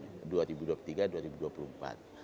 nah tentu saja